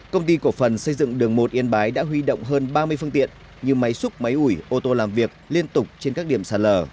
công ty cổ phần xây dựng đường một yên bái đã huy động hơn ba mươi phương tiện như máy xúc máy ủi ô tô làm việc liên tục trên các điểm sạt lở